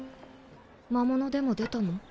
魔物でも出たの？